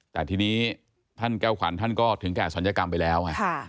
แต่ทีนี้ท่านแก้วขวัญท่านก็ถึงแก่ศัลยกรรมไปแล้วไง